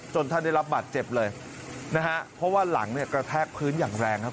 ท่านได้รับบาดเจ็บเลยนะฮะเพราะว่าหลังเนี่ยกระแทกพื้นอย่างแรงครับ